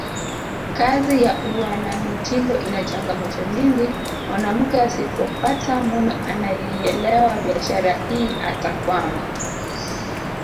Kazi ya uanamitindo ina changamoto nyingi mwanamke asipopata mume anayeielewa biashara hii atakwama